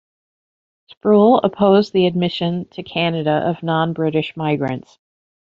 Sproule opposed the admission to Canada of non-British migrants.